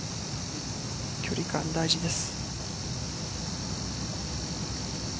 距離感、大事です。